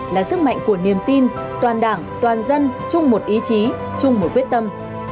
là sức mạnh của niềm tin toàn đảng toàn dân chung một ý chí chung một quyết tâm